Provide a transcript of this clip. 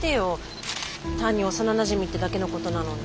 単に幼なじみってだけのことなのに。